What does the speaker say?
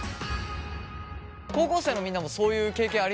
高校生のみんなもそういう経験ありますか？